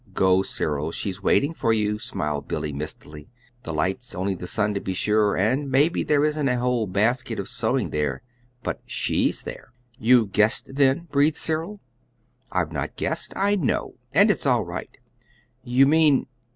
"Go, Cyril; she's waiting for you," smiled Billy, mistily. "The light's only the sun, to be sure, and maybe there isn't a whole basket of sewing there. But SHE'S there!" "You've guessed, then!" breathed Cyril. "I've not guessed I know. And it's all right." "You mean